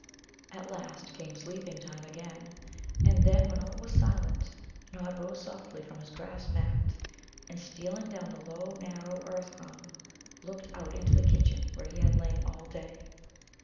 At last came sleeping time again. And then, when all was silent, Nod rose softly from his grass mat, and stealing down the low, narrow earth run, looked out into the kitchen where he had lain all day.